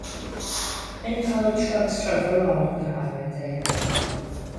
Many cargo trucks travel along the highway daily.